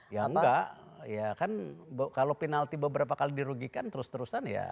ya enggak ya kan kalau penalti beberapa kali dirugikan terus terusan ya